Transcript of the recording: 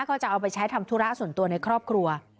ก็จะเอาไปใช้ทำธุระส่วนตัวในครอบครัว